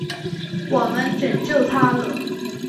我们拯救他了！